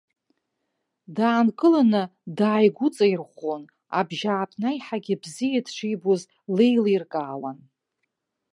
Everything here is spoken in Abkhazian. Даанкыланы дааигәыҵаирӷәӷәон, абжьааԥны аиҳагьы бзиа дшибоз леилиркаауан.